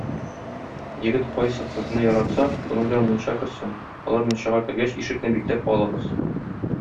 Егет кайсы кызны яратса, шуның белән мунча керсен, алар мунчага кергәч, ишекне бикләп алыгыз.